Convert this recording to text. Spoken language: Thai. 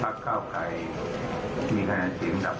ภาพก้าวไก่มีคะแนนสิ้นดับ